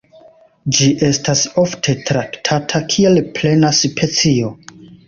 Ĝi estas ofte traktata kiel plena specio.